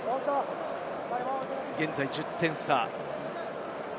現在１０点差。